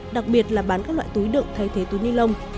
đặc biệt là bán các loại túi đựng thay thế túi ni lông